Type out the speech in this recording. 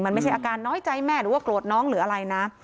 มันไม่ใช่อาการน้อยใจแม่หรือว่าโกรธน้องหรืออะไรนะ